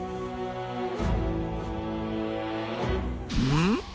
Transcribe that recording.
うん？